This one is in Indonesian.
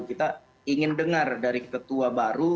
kita ingin dengar dari ketua baru